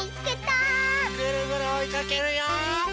ぐるぐるおいかけるよ！